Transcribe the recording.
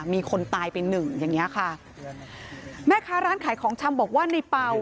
มีคนตายไปหนึ่งอย่างเงี้ยค่ะแม่ค้าร้านขายของชำบอกว่าในเป่า